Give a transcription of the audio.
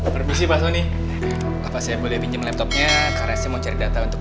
permisi pak sony apa saya boleh pinjam laptopnya karese mau cari data untuk